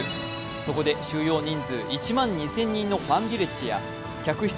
そこで主要人数１万２０００人のファンビレッジや客室